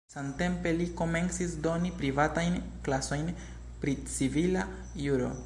Samtempe li komencis doni privatajn klasojn pri civila juro.